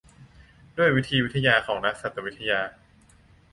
ด้วยวิธีวิทยาของนักสัตววิทยา